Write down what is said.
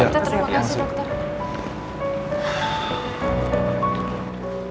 terima kasih dokter